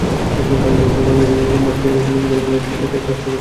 কারণ একেকজন বাংলাদেশি বিদেশের মাটিতে আলাদা একক ব্যক্তি নন, বরং একেকজন রাষ্ট্রদূত।